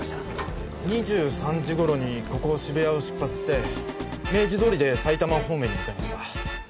２３時頃にここ渋谷を出発して明治通りで埼玉方面に向かいました。